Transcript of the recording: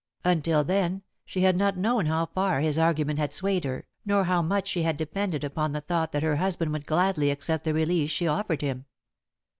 Until then, she had not known how far his argument had swayed her, nor how much she had depended upon the thought that her husband would gladly accept the release she offered him.